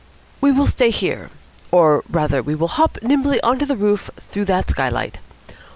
"We will stay here. Or rather we will hop nimbly up on to the roof through that skylight.